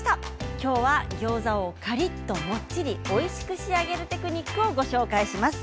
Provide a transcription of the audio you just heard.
今日はギョーザをカリっともっちりおいしく仕上げるテクニックをご紹介します。